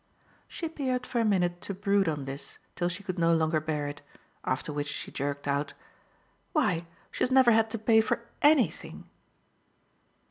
She appeared for a minute to brood on this till she could no longer bear it; after which she jerked out: "Why she has never had to pay for ANYthing!"